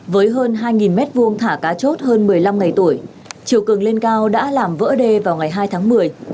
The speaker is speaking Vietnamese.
với hơn hai m hai thả cá chốt hơn một mươi năm ngày tuổi chiều cường lên cao đã làm vỡ đê vào ngày hai tháng một mươi